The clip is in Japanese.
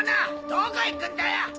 どこ行くんだよ！